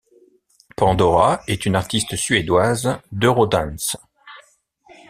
Pandora, est une artiste suédoise d'eurodance.